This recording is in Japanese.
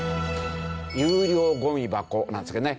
「有料ゴミ箱」なんですけどね。